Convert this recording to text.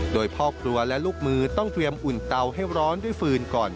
โดยพ่อครัวและลูกมือต้องเตรียมอุ่นเตาให้ร้อนด้วยฟืนก่อน